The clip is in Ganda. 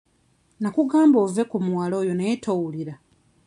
Nnakugamba ove ku muwala oyo naye towulira.